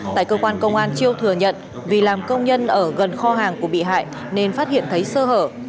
tại cơ quan công an chiêu thừa nhận vì làm công nhân ở gần kho hàng của bị hại nên phát hiện thấy sơ hở